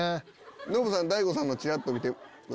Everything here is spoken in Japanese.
ノブさん大悟さんのほうちらっと見て。